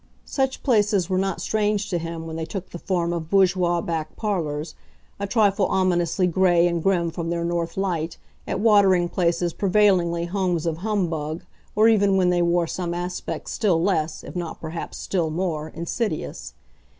Such places were not strange to him when they took the form of bourgeois back parlours, a trifle ominously grey and grim from their north light, at watering places prevailingly homes of humbug, or even when they wore some aspect still less, if not perhaps still more, insidious.